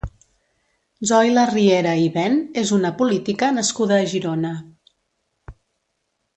Zoila Riera i Ben és una política nascuda a Girona.